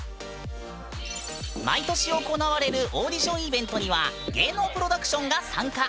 毎年行われるオーディションイベントには芸能プロダクションが参加。